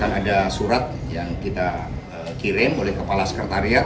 ada surat yang kita kirim oleh kepala sekretariat